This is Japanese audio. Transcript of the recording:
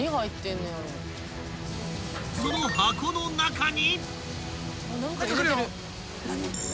［その箱の中に］